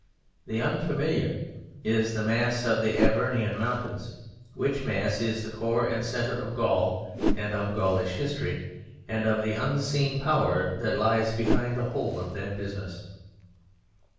The unfamiliar is the mass of the Avernian Mountains, which mass is the core and centre of Gaul and of Gaulish history, and of the unseen power that lies behind the whole of that business.